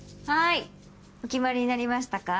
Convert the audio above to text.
お決まりになりましたか？